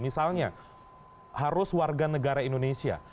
misalnya harus warga negara indonesia